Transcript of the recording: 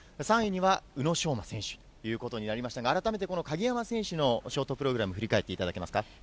３位には宇野昌磨選手ということになりますが、改めてこの鍵山選手のショートプログラム、振り返っていただけますか。